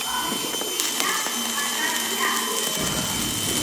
რიყის ქვითა და კვადრატული აგურით.